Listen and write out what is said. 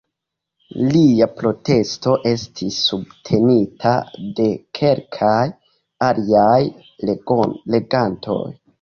Lia protesto estis subtenita de kelkaj aliaj legantoj.